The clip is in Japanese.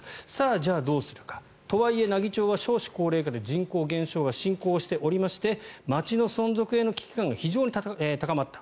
じゃあ、どうするか。とはいえ奈義町は少子高齢化で人口減少が進行しておりまして町の存続への危機感が非常に高まった。